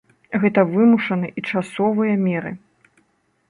Гэта вымушаны і часовыя меры.